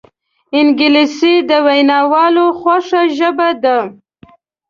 انګلیسي د ویناوالو خوښه ژبه ده